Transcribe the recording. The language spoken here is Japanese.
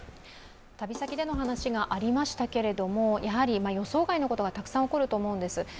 旅先での話がありましたけれどもやはり予想外のことがたくさん起こると思うんです。